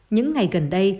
những ngày gần đây